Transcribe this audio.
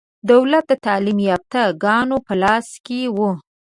دولت د تعلیم یافته ګانو په لاس کې و.